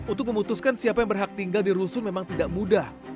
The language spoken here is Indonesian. untuk memutuskan siapa yang berhak tinggal di rusun memang tidak mudah